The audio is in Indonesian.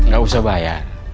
gak usah bayar